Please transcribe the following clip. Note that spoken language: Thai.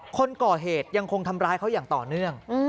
คนก่อเหตุยังคงทำร้ายเขาอย่างต่อเนื่อง